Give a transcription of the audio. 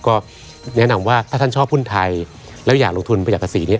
ก็แนะนำว่าถ้าท่านชอบหุ้นไทยแล้วอยากลงทุนประหยัดภาษีนี้